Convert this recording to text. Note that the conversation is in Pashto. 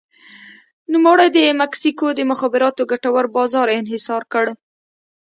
نوموړي د مکسیکو د مخابراتو ګټور بازار انحصار کړ.